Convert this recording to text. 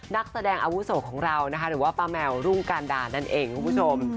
นักแสดงอาวุโสของเรานะคะหรือว่าป้าแมวรุ่งการดานั่นเองคุณผู้ชม